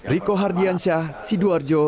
riko hardiansyah sidoarjo jawa timur